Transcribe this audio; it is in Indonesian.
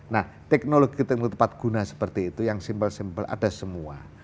nah teknologi teknologi tepat guna seperti itu yang simple simpel ada semua